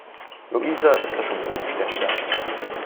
Luisa ist da schon bodenständiger.